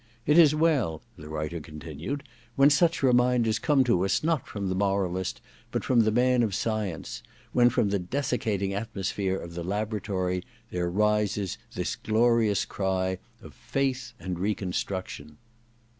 ... It is well,' the writer continued, *when such reminders come to us not from the moralist but from the man of science — ^when from the desiccating atmosphere of the laboratory there rises this glorious cry of faith and recon struction.